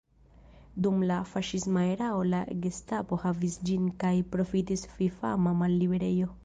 Dum la faŝisma erao la Gestapo havis ĝin kaj profitis fifama malliberejo.